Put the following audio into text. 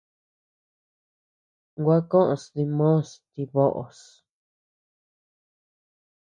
Gua koʼös dimos ti böʼos.